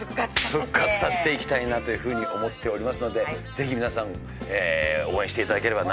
復活させて行きたいなというふうに思っておりますのでぜひ皆さん応援していただければ。